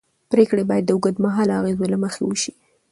پرېکړې باید د اوږدمهاله اغېزو له مخې وشي